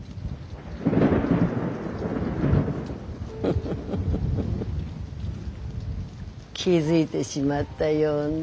フフフフフ気付いでしまったようね。